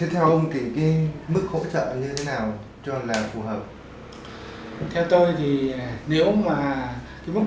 theo ông thì mức khổ trợ như thế nào cho là phù hợp